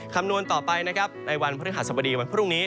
คำนวณต่อไปนะครับในวันพฤหัสบดีวันพรุ่งนี้